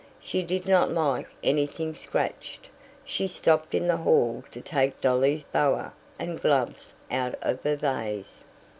She did not like anything scratched; she stopped in the hall to take Dolly's boa and gloves out of a vase.